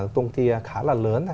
công ty khá là lớn